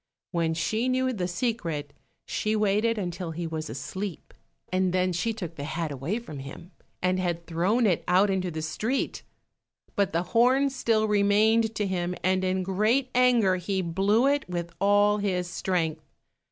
When she knew the secret, she waited until he was asleep, and then she took the hat away from him, and had it thrown out into the street. But the horn still remained to him, and in great anger he blew it with all his strength.